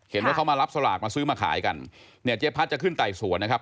เห็นว่าเขามารับสลากมาซื้อมาขายกันเนี่ยเจ๊พัดจะขึ้นไต่สวนนะครับ